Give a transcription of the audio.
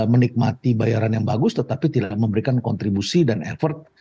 menikmati bayaran yang bagus tetapi tidak memberikan kontribusi dan effort